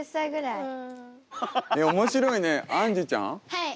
はい。